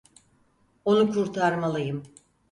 Onu kurtarmalıyım.